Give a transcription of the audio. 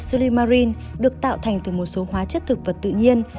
slymarin được tạo thành từ một số hóa chất thực vật tự nhiên